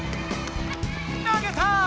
投げた！